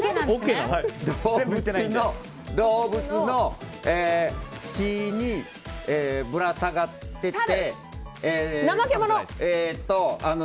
動物の、木にぶら下がってて。